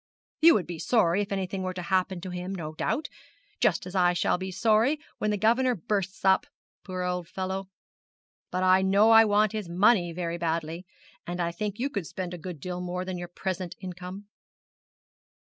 'You would be sorry if anything were to happen to him, no doubt; just as I shall be sorry when the governor bursts up poor old fellow! But I know I want his money very badly; and I think you could spend a good deal more than your present income.'